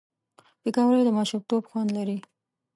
پکورې د ماشومتوب خوند لري